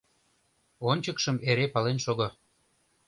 Ончыкшым эре пален шого: